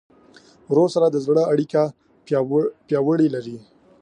ورور سره د زړګي اړیکه پیاوړې لرې.